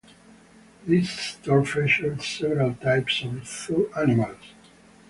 This store features several types of zoo animals.